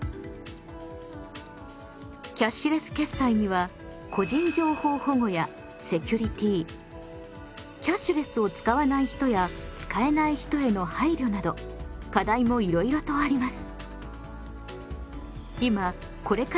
キャッシュレス決済には個人情報保護やセキュリティキャッシュレスを使わない人や使えない人への配慮など課題もいろいろとあります。